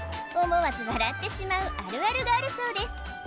思わず笑ってしまうあるあるがあるそうです